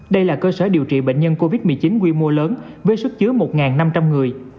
đây là cơ sở điều trị bệnh nhân covid một mươi chín quy mô lớn với sức chứa một năm trăm linh người